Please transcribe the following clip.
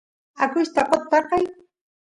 akuyshtaqot tankay